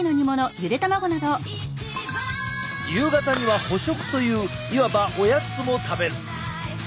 夕方には補食といういわばおやつも食べる。